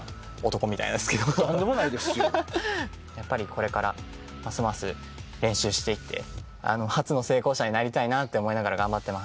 やっぱりこれからますます練習していって初の成功者になりたいなって思いながら頑張ってます。